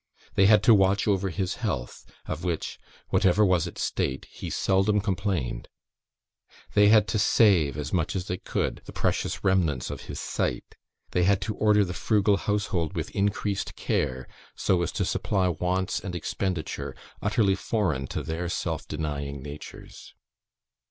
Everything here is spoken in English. They had to watch over his health, of which, whatever was its state, he seldom complained. They had to save, as much as they could, the precious remnants of his sight. They had to order the frugal household with increased care, so as to supply wants and expenditure utterly foreign to their self denying natures.